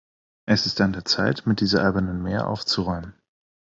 Es ist an der Zeit, mit dieser albernen Mär aufzuräumen.